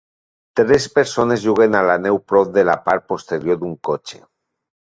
Tres persones juguen a la neu prop de la part posterior d'un cotxe.